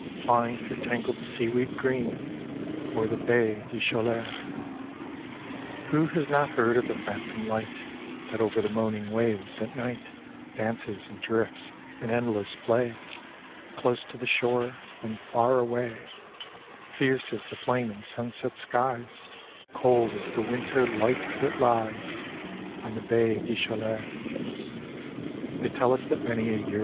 Plying through tangled seaweed green, O'er the Baie des Chaleuis. D,gt,, erihyGOOgle The Haunted Hour Who has not heard of the phantom tight That over the moaning waves at night Dances and drifts in endless play, Close to the shore, then far away, Fierce as the flame in sunset skic^ Cold as the winter light that lies On die Baie des Cbaleuis.